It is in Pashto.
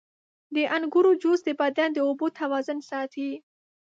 • د انګورو جوس د بدن د اوبو توازن ساتي.